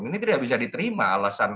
ini tidak bisa diterima alasan